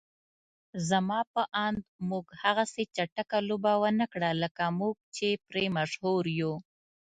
زما په اند موږ هغسې چټکه لوبه ونکړه لکه موږ چې پرې مشهور يو.